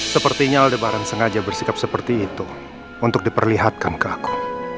sepertinya aldebaren sengaja bersikap seperti itu untuk diperlihatkan ke aku